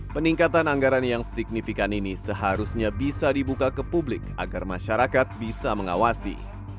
peningkatan anggaran yang signifikan ini seharusnya bisa dibuka ke publik agar masyarakat bisa mengawasi